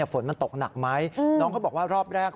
ฝนมันตกหนักไหมน้องเขาบอกว่ารอบแรก